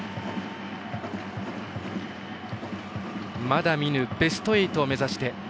まだ見ぬベスト８を目指して。